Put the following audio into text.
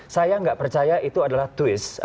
saya nggak percaya itu adalah twist